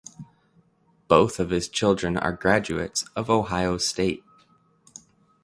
Both of his children are graduates of Ohio State.